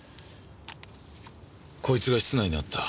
こいつが室内にあった。